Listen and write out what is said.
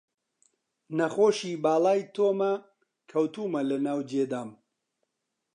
نەخۆشی باڵای تۆمە، کەوتوومە لە ناو جێدام